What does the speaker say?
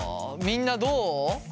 みんなどう？